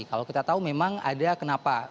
kalau kita tahu memang ada kenapa